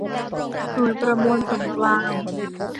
หน่วยประมวลผลกลาง